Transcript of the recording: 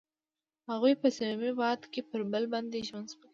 هغوی په صمیمي باد کې پر بل باندې ژمن شول.